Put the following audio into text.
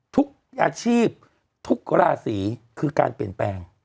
ทุกอาชีพทุกราศีคือการเปลี่ยนแปลง